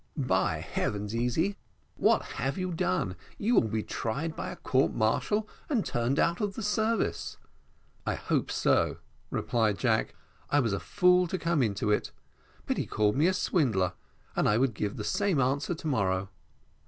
"By heavens, Easy, what have you done? you will be tried by a court martial, and turned out of the service." "I hope so," replied Jack; "I was a fool to come into it. But he called me a swindler, and I would give the same answer to morrow."